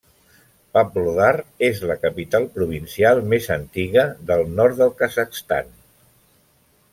Pavlodar és la capital provincial més antiga del nord del Kazakhstan.